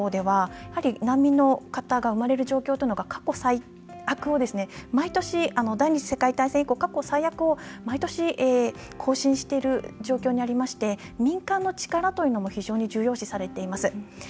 一方で、世界の方では難民の方が生まれる状況というのが第２次世界大戦以降毎年、過去最悪を更新している状況でして民間の力というのも非常に重要視されています。